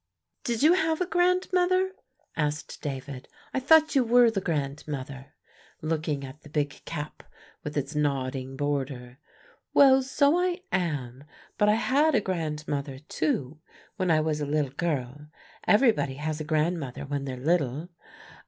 "Did you have a grandmother?" asked David. "I thought you were the grandmother," looking at the big cap with its nodding border. "Well, so I am, but I had a grandmother too when I was a little girl. Everybody has a grandmother when they're little."